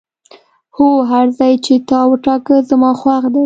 هو، هر ځای چې تا وټاکه زما خوښ دی.